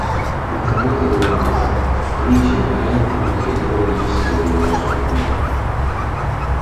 Ma tornato ad Omaha, amici e parenti gli chiedono di gestire i loro soldi.